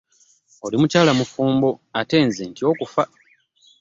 Oli mukyala mufumbo ate nze ntya okufa.